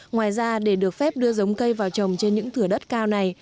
ngoài ra để được phép đưa giống cây vào trồng trên những thửa đất cao này